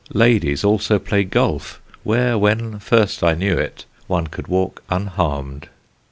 Ladies also play golf where, when first I knew it, one could walk unharmed.